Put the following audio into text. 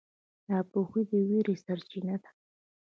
ناپوهي د وېرې سرچینه ده.